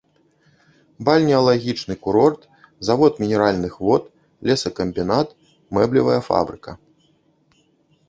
Бальнеалагічны курорт, завод мінеральных вод, лесакамбінат, мэблевая фабрыка.